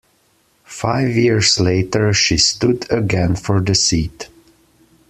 Five years later she stood again for the seat.